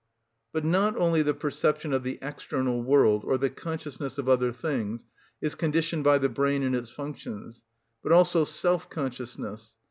But not only the perception of the external world, or the consciousness of other things, is conditioned by the brain and its functions, but also self‐consciousness.